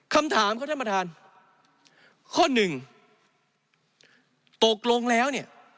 คำถามข้อท่านประธานข้อ๑ตกลงแล้ว